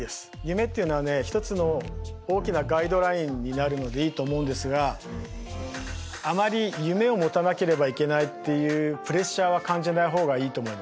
夢っていうのはね一つの大きなガイドラインになるのでいいと思うんですがあまり夢を持たなければいけないっていうプレッシャーは感じない方がいいと思います。